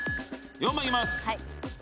４番いきます！